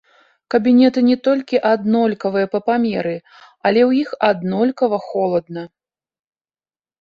Кабінеты не толькі аднолькавыя па памеры, але ў іх аднолькава холадна.